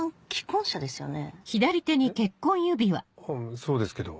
そうですけど。